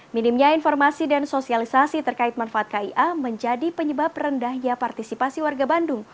minimnya informasi dan sosialisasi terkait manfaat kia menjadi penyebab rendahnya partisipasi warga bandung